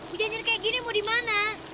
hujannya kayak gini mau dimana